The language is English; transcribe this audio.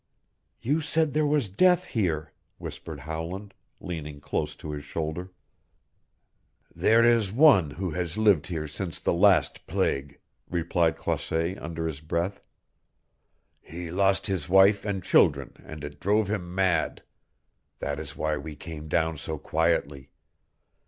"You said there was death here," whispered Howland, leaning close to his shoulder. "There is one who has lived here since the last plague," replied Croisset under his breath. "He lost his wife and children and it drove him mad. That is why we came down so quietly.